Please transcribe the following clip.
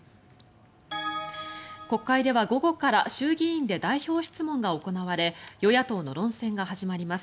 国会では午後から衆議院で代表質問が行われ与野党の論戦が始まります。